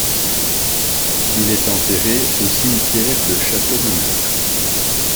Il est enterré au cimetière de Château-Renard.